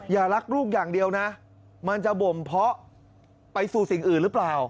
รักลูกอย่างเดียวนะมันจะบ่มเพาะไปสู่สิ่งอื่นหรือเปล่า